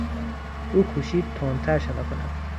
او کوشید تندتر شنا کند.